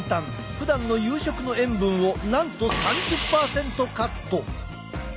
ふだんの夕食の塩分をなんと３０％カット。